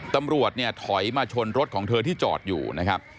ตำรวจเนี่ยถอยมาชนรถของเธอที่จอดอยู่นะครับ